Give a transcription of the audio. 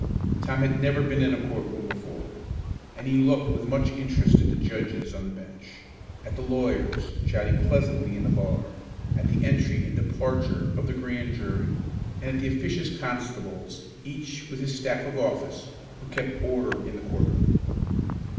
Tom had never been in a court room before, and he looked with much interest at the judges on the bench, at the lawyers chatting pleasantly in the bar, at the entry and departure of the grand jury, and at the officious constables, each with his staff of office, who kept order in the court room.